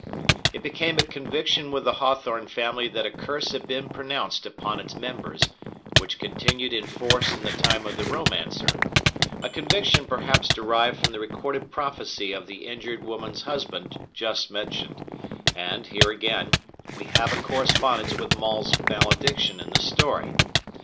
It became a conviction with the Hawthorne family that a curse had been pronounced upon its members, which continued in force in the time of the romancer; a conviction perhaps derived from the recorded prophecy of the injured woman's husband, just mentioned; and, here again, we have a correspondence with Maule's malediction in the story.